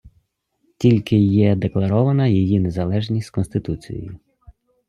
Тільки є декларована її незалежність Конституцією.